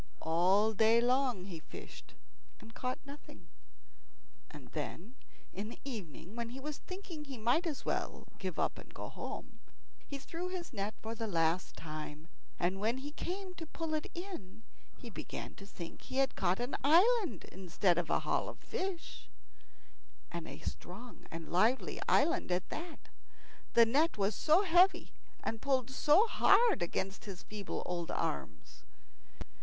All day long he fished, and caught nothing. And then in the evening, when he was thinking he might as well give up and go home, he threw his net for the last time, and when he came to pull it in he began to think he had caught an island instead of a haul of fish, and a strong and lively island at that the net was so heavy and pulled so hard against his feeble old arms.